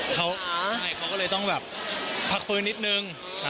ใช่เขาก็เลยต้องแบบพักฟื้นนิดนึง